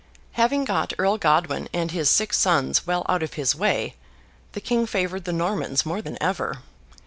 Having got Earl Godwin and his six sons well out of his way, the King favoured the Normans more than ever.